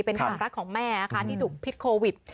เป็นความรักของแม่นะคะที่ถูกพิษโควิด